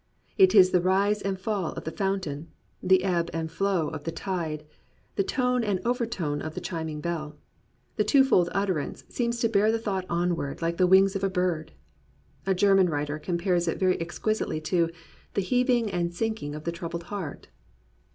It is the rise and fall of the fountain, the ebb and flow of the tide, the tone and overtone of the chiming bell. The two fold utterance seems to bear the thought on ward like the wings of a bird. A German writer compares it very exquisitely to "the heaving and sinking of the troubled heart."